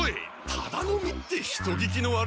タダ飲みって人聞きの悪い！